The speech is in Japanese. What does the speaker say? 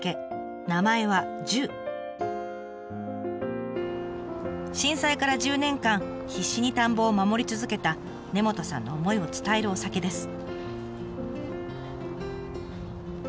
名前は震災から１０年間必死に田んぼを守り続けた根本さんの思いを伝えるお酒です。